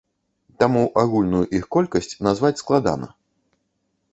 Таму агульную іх колькасць назваць складана.